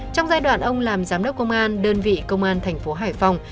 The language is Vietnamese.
trong giai đoạn ông làm giám đốc công an đơn vị công an thành phố hải phòng